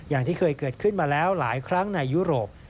อย่างที่เคยเกิดขึ้นมาแล้วหลายครั้งในยุโรป